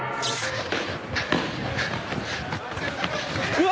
・うわ！